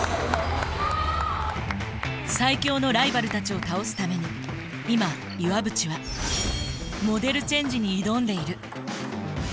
最強のライバルたちを倒すために今岩渕はモデルチェンジに挑んでいる。